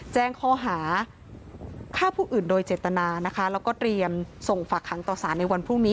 แจ้งข้อหาฆ่าผู้อื่นโดยเจตนานะคะแล้วก็เตรียมส่งฝากหางต่อสารในวันพรุ่งนี้